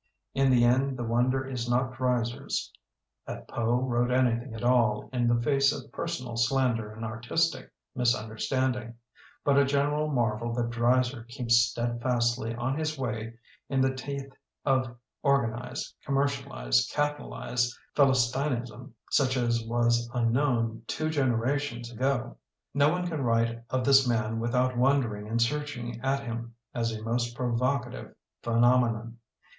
In the end the wonder is not Dreiser's — ^that Poe wrote anything at all in the face of personal slander and artistic misunderstanding — but a general marvel that Dreiser keeps steadfastly on his way in the teeth of organized, commercialized, capitalized Philistin ism such as was unknown two genera tions ago. No one can write of this man with out wondering and searching at him as a most provocative phenomenon.